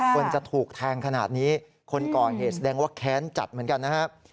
คนจะถูกแทงขนาดนี้คนก่อเหตุแสดงว่าแค้นจัดเหมือนกันนะครับ